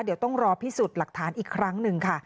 เดี๋ยวต้องรอพิสูจน์หลักฐานอีกครั้งหนึ่งค่ะ